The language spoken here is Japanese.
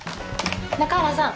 中原さん。